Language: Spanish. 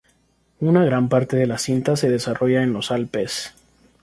Una gran parte de la cinta se desarrolla en los Alpes.